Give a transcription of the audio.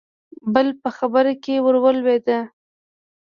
بل په خبره کې ورولوېد: